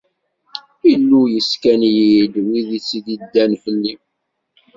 Illu yesskan-iyi-d wid i tt-iddan fell-i.